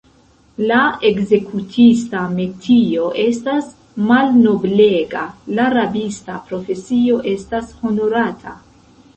La ekzekutista metio estas malnoblega; la rabista profesio estas honorata.